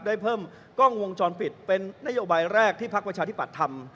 ได้เพิ่มกล้องวงจรปิดเป็นนโยบายแรกที่พักประชาธิปัตย์ทำ